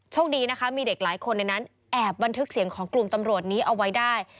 โชคดีนะคะมีเด็กหลายคนในนั้นแอบบันทึกเสียงของกลุ่มตำรวจนี้เอาไว้ได้